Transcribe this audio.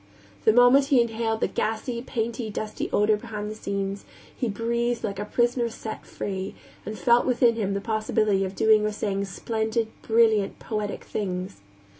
The moment he inhaled the gassy, painty, dusty odor behind the scenes, he breathed like a prisoner set free, and felt within him the possibility of doing or saying splendid, brilliant, poetic things.